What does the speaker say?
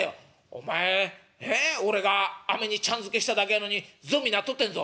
「お前え？俺がアメにちゃんづけしただけやのにゾンビなっとってんぞ」。